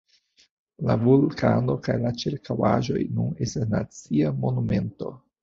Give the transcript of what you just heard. La vulkano kaj la ĉirkaŭaĵoj nun estas nacia monumento.